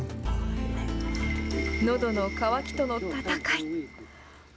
のどの渇きとの戦い。